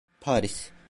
Paris.